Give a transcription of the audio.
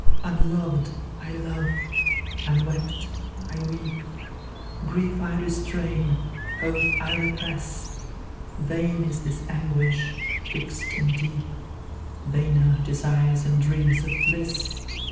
"Unloved I love; unwept I weep; Grief I restrain hope I repress: Vain is this anguish fixed and deep; Vainer, desires and dreams of bliss.